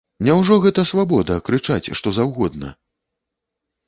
Няўжо гэта свабода, крычаць, што заўгодна?